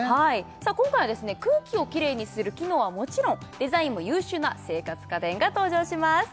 今回は空気をきれいにする機能はもちろんデザインも優秀な生活家電が登場します